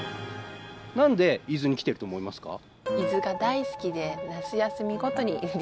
何で伊豆に来てると思いますか？